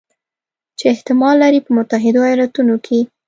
چې احتمال لري په متحدو ایالتونو کې